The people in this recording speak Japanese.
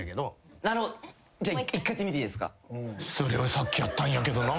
さっきやったんやけどな。